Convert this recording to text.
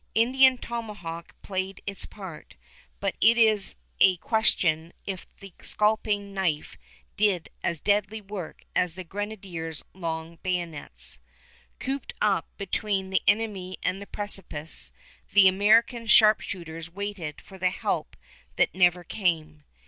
Indian tomahawk played its part, but it is a question if the scalping knife did as deadly work as the grenadier's long bayonets. Cooped up between the enemy and the precipice, the American sharpshooters waited for the help that never came.